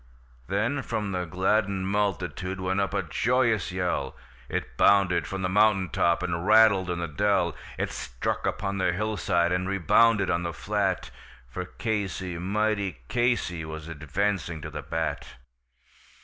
Then from the gladdened multitude went up a joyous yell, It bounded from the mountain top, and rattled in the dell, It struck upon the hillside, and rebounded on the flat; For Casey, mighty Casey, was advancing to the bat.